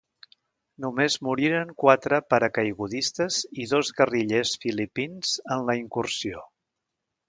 Només moriren quatre paracaigudistes i dos guerrillers filipins en la incursió.